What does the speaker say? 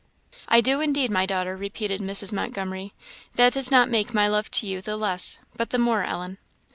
"I do, indeed, my daughter," repeated Mrs. Montgomery; "that does not make my love to you the less, but the more, Ellen."